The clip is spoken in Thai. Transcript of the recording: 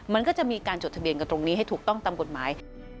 มันก็จะมีการจดทะเบียนกันตรงนี้ให้ถูกต้องตามกฎหมาย